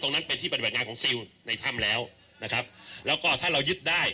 ตรงนั้นไปที่บรรยายงานของซิลในถ้ำแล้วนะครับแล้วก็ถ้าเรายึดได้